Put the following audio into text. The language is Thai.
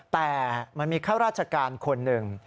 แต่มันมีข้าราชการคนหนึ่ง